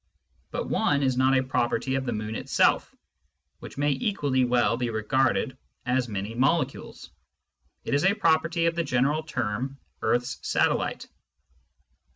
But " one " is not a property of the moon itself, which may equally well be regarded as many molecules : it is a property of the general term " earth's satellite."